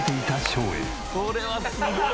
これはすごいわ。